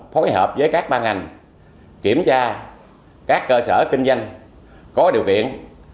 phối hợp với các ban ngành kiểm tra các cơ sở kinh doanh có điều kiện